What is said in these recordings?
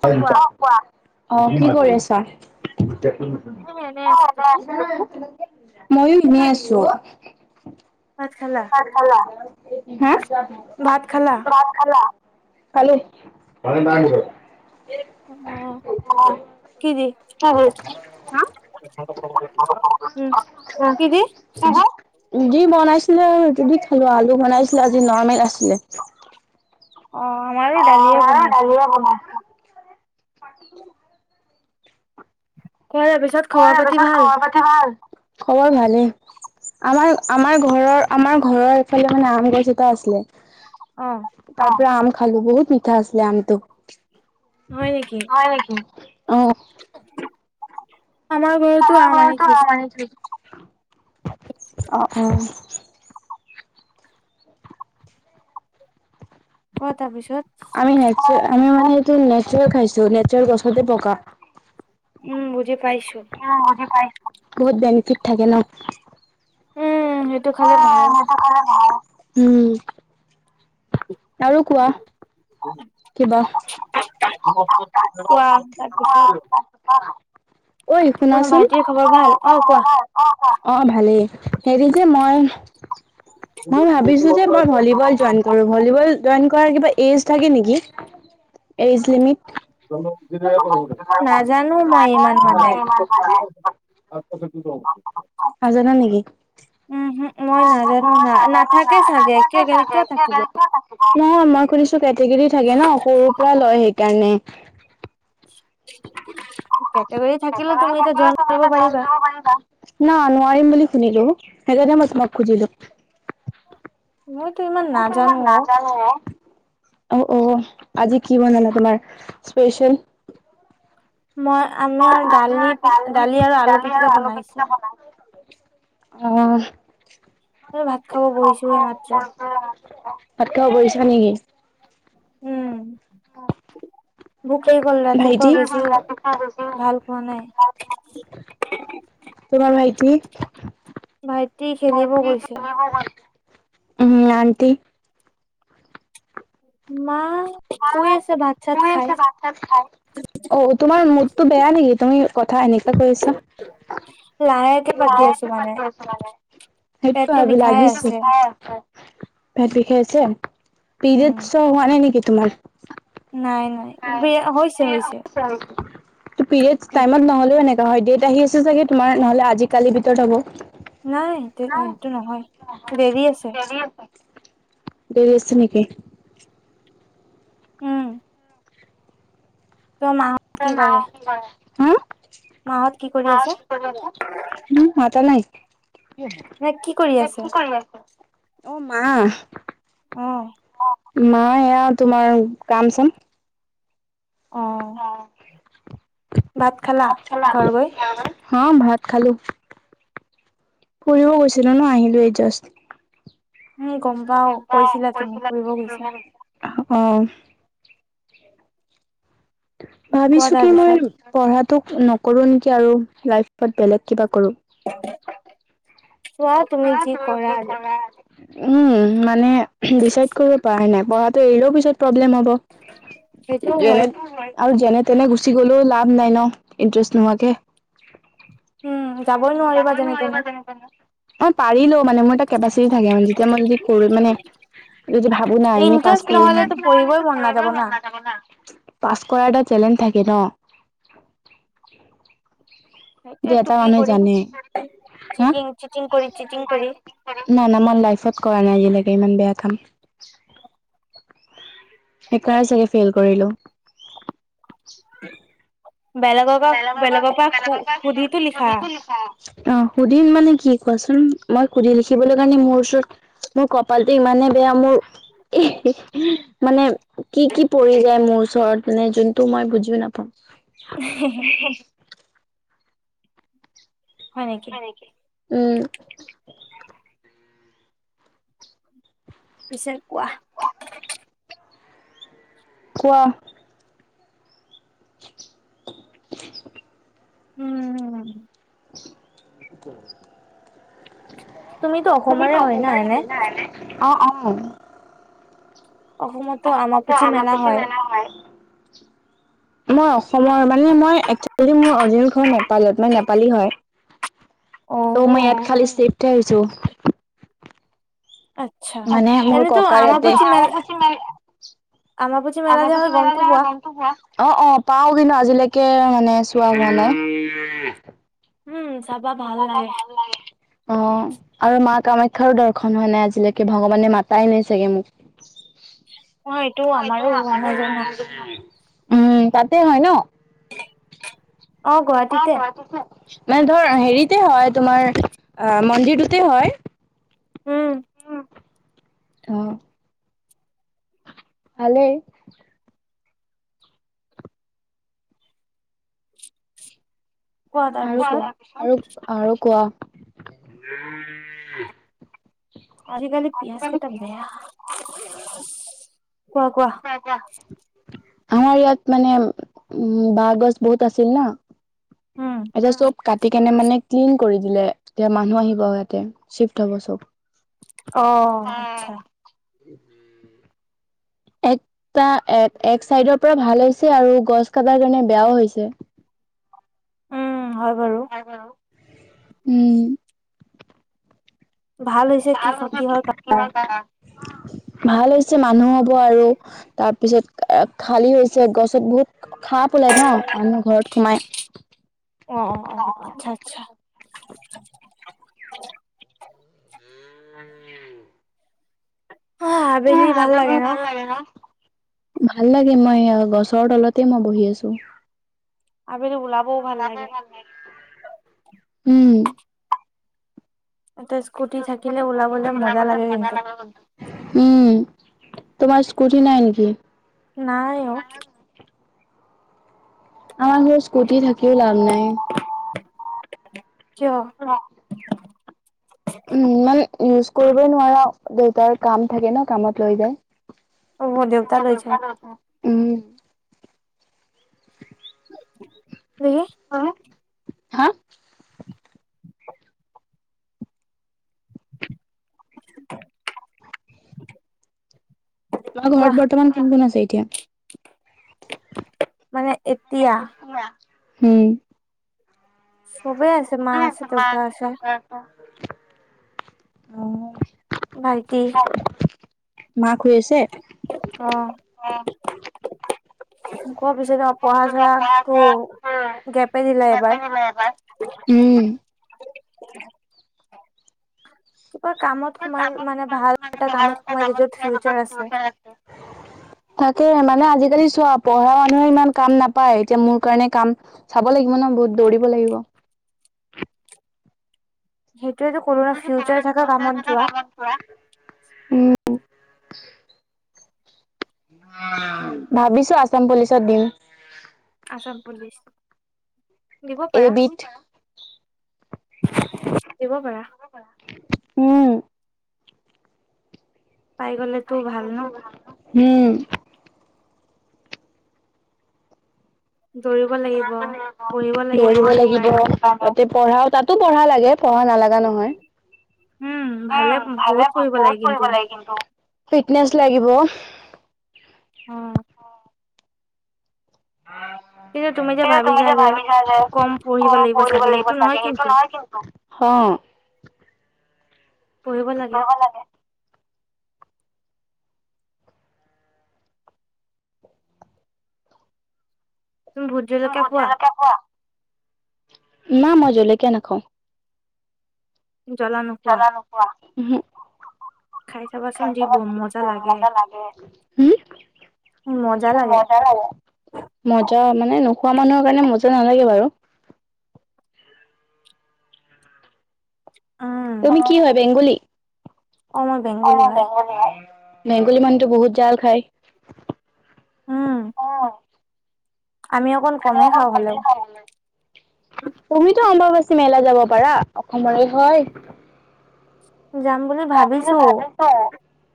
Hello অ' কোৱা? অ, কি কৰি আছা? এ এনে আছো তুমি? অ'কোৱা? ময়ো এনে আছোঁ। ভাত খালা ভাত খালা? হে ভাত খালা? ভাত খালা খালো অ' কি দি উম, কি দি কি দি ৰুটি বনাইছিলে আৰু ৰুটি দি খালো আলু বনাইছিলে আজি নৰ্মেল আছিলে। অ', আমাৰো দালিয়ে বনাইছে। থৈ দে পিছত খবৰ খোৱাৰা পাতি পিছত ভাল? খবৰ খাটি ভাল, খবৰ ভালেই। আমাৰ আমাৰ ঘৰৰ আমাৰ ঘৰৰ এফালে মানে আম গছ এটা আছিলে অ' অ', তাৰ পৰা আম খালো বহুত মিঠা আছিলে আমটো হয় নেকি? হয় নেকি? অ' [inaudible] আমাৰ ঘৰত আমাৰ ঘৰতো আম আনি থৈছোঁ। অ, অ' ক', তাৰপিছত আমি নেৰ্চা আমি মানে এইটো নেৰ্চাৰেল খাইছো নেৰ্চাৰেল গছতে পকা। উম', বুজি পাইছোঁ। অ' বুজি পাইছোঁ, বহুত বেনিফিট থাকে ন উম', সেইটো খালে ভাল। সেইটো খালে ভাল, উম' আৰু কোৱা? কিবা কোৱা? তাৰপিছত কোৱা, ঐ তোমাৰ শুনাচোন ভাইটিৰ খবৰ অ', ভাল? অ তোমাৰ কোৱা। খবৰ ভাল? অ' কোৱা? অ' ভালেই হেৰি যে মই মই ভাবিছো যে, মই ভলীবল জইন কৰোঁ। ভলীবল জইন কৰাৰ, কিবা এইজ থাকে নেকি?। এইজ লিমিট নাজানো মই, ইমান মানে। [inaudible] [inaudible] উহু, মই নাজানো না, নাথাকে চাগে, ক-কিয় থাকিব। নহয় মই শুনিছো, কেটগেৰি থাকে ন সৰুৰ পৰা লয় সেইকাৰণে। কেটেগৰী থাকিলেও তুমি এতিয়া জইন কৰিব পাৰিবা। [inaudible] না, নোৱাৰিম বুলি শুনিলো। সেইকাৰণে মই তোমাক খুজিলো। মইতো ইমান মইতো ইমান নাজানো অ নাজানো। অ', অ', আজি কি বনালা? তোমাৰ স্পেচিয়েল। মই আ পিটিকা বনাইছে উম এ ভাত খালো ভাত খাব, বহিচা নেকি?। উম, ভুক লাগি গল, ৰাতিপুৱা ভাইটি? বেছি ভাল খোৱা নাই। তোমাৰ ভাইটি ভাইটি খেলিব গৈছে উম, আনটি?। মা, শুই আছে, ভাত চাত খাই অ', তোমাৰ মুডটো বেয়া নেকি? তুমি কথা এনেকা কৈ আছা। [inaudible] আছো মানে সেইটো পেটটো ভাবি বিষাই লাগিছে। আছে পেট বিষাইছে, উম পিৰিয়ডচ হোৱা নাই নেকি, তোমাৰ?। নাই, নাই। হৈছে হৈছে পিৰিয়ডচ টাইমত নহলেও এ অ' ডেট আহি আছে যে সেই তোমাৰ, নহলে আজি কালিৰ ভিতৰত হ'ব। নাই সেটো-সেইটো নহয়, দেৰি আছে। দেৰি আছে নেকি?। উম ত মা [inaudible] মাহত কি কৰি আছে মাতা নাই। নে কি কৰি আছে অ', মা। অ' মা, এয়া তোমাৰ কাম চাম অ' অ। ভাত খালা?। ঘৰ গৈ হ, ভাত খালো। ফুৰিব গৈছিলো ন আহিলো এই জাষ্ট। উম গম পাও কৈছিলা তুমি ফুৰিব গৈছা অ। কোৱা ভাবিছোঁ তাৰ কি মই, পিছত পঢ়াতো নকৰোঁ নেকি আৰু, লাইফত বেলেগ কিবা কৰোঁ। চোৱা তুমি যি কৰা আৰু উম, মানে ডিচাইড কৰিব পৰা নাই। পঢ়া কৰিলেও পিছত প্ৰব্লেম হব। সেইটোও হয় আৰু যেনে তেনে গুচি গ'লেও লাভ নাই নাই, ইণ্টাৰেষ্ট নোহোৱাকে। উম, যাবই নোৱাৰিবা যেনে তেনে। অ [unintelligible] অ পাৰিলোও মানে মোৰ এটা কেপাচিটি থাকে মানে যেতিয়া মই যদি কৰো মানে এই যে ভাবো না পাছ ইন্টাৰেষ্ট কৰি। নহলেতো পঢ়িবই মন নাযাব না [unintelligible] পাছ কৰাৰ এটা চেলেঞ্জ থাকে ন- যে সেইটো এটা টুকলি মানুহে কৰি জানে হা চিটিং চিটিং কৰি চিটিং কৰি। নাই না মই লাইফত কৰা নাই আজিলৈকে ইমান বেয়া কাম। সেইকাৰণেই চাগে ফেল। কৰিলোঁ বেলেগৰ পৰা বেলেগৰ পৰা সুধিটো লিখা। অ সুধিম মানে কি কোৱাচোন মই সুধি লিখিবলৈ কাৰণে মোৰ ওচৰত মোৰ কপালটো ইমানে বেয়া মোৰ ইস্ হি মানে কি কি পৰি যায় মোৰ ওচৰত মানে যোনটো মই বুজিও নাপাওঁ। হ [unintelligible] হ [unintelligible] হয় নে কি? উম পিছে কোৱা। কোৱা। [unintelligible] উম তুমিতো তুমি অসমৰে ক হয় না কুমাৰ নহয় না এনে অ -অ- অসমতো আমাপুচি আমাক মেলা পিছে হয় মেনাৰ নাই। মই অসমৰ মানে মই একচলি মোৰ অৰিজিনেল ঘৰ নেপালত মানে মই নেপালী হয়। অ তো মই ইয়াত খালি শ্বিফ্ট হে হৈছো আচ্ছা মানে মোৰ এনেতো ককাৰ ইয়াতে- আমাপুচি মেলা আমাবুজি মেলা যে আমাৰ হয় গমটো [unintelligible] গম টো পোৱা অ অ পাও কিন্তু আজিলৈকে মানে চোৱা হোৱা নাই। উ [unintelligible] উম- [unintelligible] যাবা ভাল লাগে অ আৰু মা কামাখ্যাৰো দৰ্শন হোৱা নাই আজিলৈকে ভগৱানে মাতাই নাই চাগে মোক, অ এইটো আমাৰো হোৱা নাই জানা [unintelligible] উম তাতে হয় ন- অ মানে ধৰ হেৰিতে হয় তোমাৰ অ মন্দিৰটোতে হয়। উম অ- ভালেই- কোৱা তাৰ পিছত ক আৰু আৰু কোৱা- আজিকালি পিয়াজ কেইটা বেয়া কোৱা -কোৱা- আমাৰ ইয়াত মানে উ বাঁহ গছ বহুত আছিল ন- উম এতিয়া চব কাতি- কেনে মানে ক্লিন কৰি দিলে এতিয়া মানুহ আহিব ইয়াতে চিফ্ট হ'ব চব অ ্আচ্ছা। একটা এক এক চাইডৰ পৰা ভাল হৈছে আৰু গছ কাটাৰ কাৰণে বেয়াও হৈছে। উম হয় বাৰু, উম- হৈছে কি ভাল কিহৰ [unintelligible] কাৰণে কিমান ভাল হৈছে মানুহ হ'ব আৰু তাৰ পিছত খালী হৈছে গছত বহুত সাপ ওলাই ন মানুহৰ ঘৰত সোমাই অ অ আচ্ছা আচ্ছা উম অ' মাজত বহি ভাল লাগে ন? ভাল লাগে, মই গছৰ তলতে মই বহি আছো। আবেলি উলা [unintelligible] ভাল লাগে। উম তাতে স্কুটি থাকিলে ওলাবলে মজা লাগে কিন্তু। উম। তোমাৰ স্কুটি নাই নেকি? নাই অ'। আমাৰ সেই স্কুটি থাকিও লাভ নাই কিয়? [unintelligible] উম, ইমান ইউজ কৰিব নোৱাৰা, দেউতাৰ কাম থাকে ন, কামত লৈ যায়। অ' অ', দেউতা লৈ যায়। উম। [unintelligible] অ' হা? [inaudible] তোমাৰ কোৱা ঘৰত বৰ্তমান কোন কোন আছে এতিয়া? মানে, এতিয়া? হোম। ছবেই আছে। [inaudible] মা আছে অ'। দেউতা আছে ভাইটি [inaudible] মাক শুই আছে? অ অ'। কোৱা পিছে অ' পঢ়া-চহা টো, গেপে দিলা এবাৰ নাই পাই। উম কিবা কামত সোমাই, মানে ভাল এটা কামত সোমাই য'ত ফিউচাৰ আছে। [inaudible] তাকে মানে আজিকালি চোৱা, পঢ়া মানুহেও ইমান কাম নাপায়, এতিয়া মোৰ কাৰণে কাম চাব লাগিব ন, বহুত দৌৰিব লাগিব। সেইটোয়েতো কলোঁ ন, ফিউচাৰ থকা কামত যোৱা। উম। ভাবিছো আছাম পুলিচত দিম। আসাম পুলিচ দিব পাৰা। এইবিধ দিব পাৰা। উম। পাই গলেতো ভাল ন। হম। দৌৰিব লাগিব। পঢ়িব লাগিব দৌৰিব সেইটো লাগিব। কাৰণেও তাতে পঢ়াও, তাতো পঢ়া লাগে, পঢ়া নালাগা নহয়। ভালে উম, বহুত ভালে-ভাল, পঢ়িব লাগে বহুত কিন্তু পঢ়িব লাগে কিন্তু। ফিটনেছ লাগিব। উম। এ, তুমি যে ভাবিছা যে, কম পঢ়িব লাগিব চাগে, সেইটো নহয় কিন্তু। অ'। পঢ়িব লাগে। তুমি ভুট জলকীয়া খোৱা? না মই জলকীয়া নাখাওঁ। জ্বলানো জালা নোখোৱা? ওহো। খাই চাবাচোন যি ব [unintelligible] মজা লাগে। মজা লাগে মজা মানে নোখোৱা মানুহৰ কাৰণে মজা নালাগে বাৰু। [unintelligible] তুমি কি হয়, বেংগলী? অ' মই বেংগলী অ', হয় বেংগলী হয়। বেংগলী মানুহতো বহুত জাল খায়। উম। আমি অকল আমি অকল [unintelligible] তুমিতো অম্ববাচী মেলা যাব পাৰা, অসমৰে হয়। যাম বুলি ভাবিছোঁ।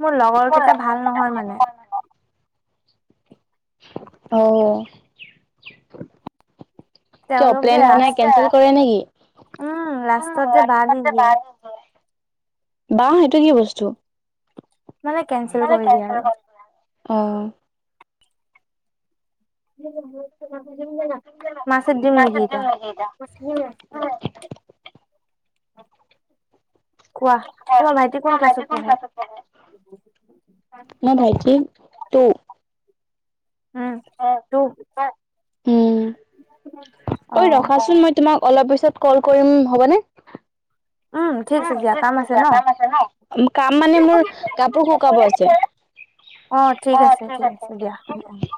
মোৰ লগৰ কেইটা ভাল নহয় মানে। অ'। কিয় তেওঁলোক যে প্লেন ৰাস বনাই কেনচেল কৰে নেকি উম লাষ্টত যে বাদ দি দিয়ে [unintelligible] বাহ সেইটো কি বস্তু? মানে কেনচেল সেই কৰি দিয়ে কেনচেল আৰু। কৰে। অ'। [unintelligible] মাছৰ ডিম নেকি এইটা? কোৱা। তোমাৰ ভাইটি কোন ক্লাছত পঢ়ে [unintelligible] মোৰ ভাইটি তো। উম হয়, তোক হয়, উম। ঐ অ' ৰখাচোন মই তোমাক অলপ পিছত কল কৰিম হ'বনে? উম, ঠিক আছে দিয়া কাম আছে ন? কাম মানে মোৰ কাপোৰ শুকাব আছে। অ', ঠিক আছে ঠিক [unintelligible]